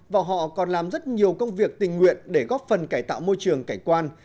và họ còn làm rất nhiều công việc tình nguyện để góp phần cải tạo môi trường cảnh quan